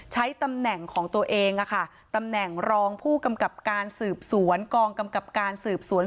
ใช้ตำแหน่งของตัวเองตำแหน่งรองผู้กำกับการสืบสวน